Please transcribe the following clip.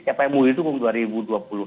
siapa yang mulai itu umum dua ribu dua puluh satu